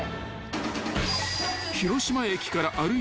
［広島駅から歩いて５分］